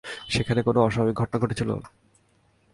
সেখানে কোনো অস্বাভাবিক ঘটনা ঘটেছিল?